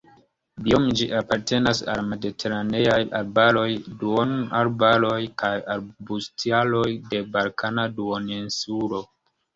Biome ĝi apartenas al mediteraneaj arbaroj, duonarbaroj kaj arbustaroj de Balkana duoninsulo.